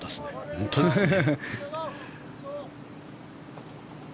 本当ですね。